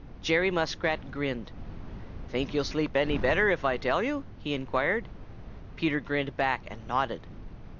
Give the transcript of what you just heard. Jerry Muskrat grinned. "Think you'll sleep any better if I tell you?" he inquired. Peter grinned back and nodded.